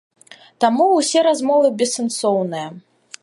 Таму ўсе размовы бессэнсоўныя.